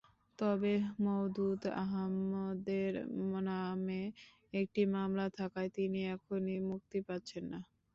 তবে মওদুদ আহমদের নামে একটি মামলা থাকায় তিনি এখনই মুক্তি পাচ্ছেন না।